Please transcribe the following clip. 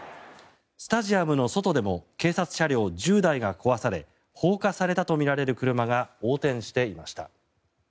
スタジアムの外でも警察車両１０台が壊され放火されたとみられる車が横転していました。